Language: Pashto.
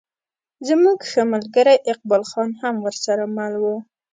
زموږ ښه ملګری اقبال خان هم ورسره مل و.